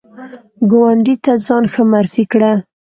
ګاونډي ته ځان ښه معرفي کړه